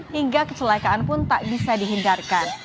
hingga kecelakaan pun tak bisa dihindarkan